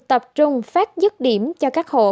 tập trung phát dứt điểm cho các hộ